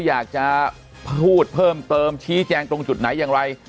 อยากจะพูดเพิ่มเติมชี้แจงตรงจุดไหนอย่างไร